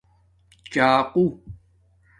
چاقُݸ